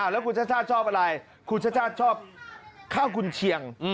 แล้วคุณชชชชชอบอะไร